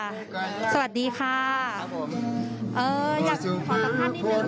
เอ่ออยากขอสัมภาษณ์นิดหนึ่งค่ะว่าเออ